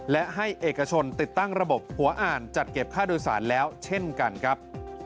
และให้เอกชนติดตั้งระบบหัวอ่านจัดเก็บค่าโดยสารแล้วเช่นกันครับ